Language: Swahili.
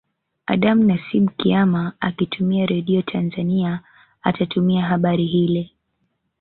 Adam Nasibu Kiama akitumia Radio Tanzania atatumia habari hile